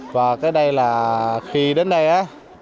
và ở đây là khi đến đây á